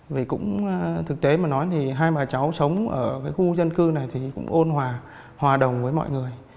vì cũng thực tế mà nói thì hai bà cháu sống ở cái khu dân cư này thì cũng ôn hòa hòa đồng với mọi người